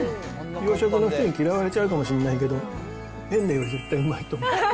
洋食の人に嫌われちゃうかもしれないけど、ペンネより絶対うまいと思う。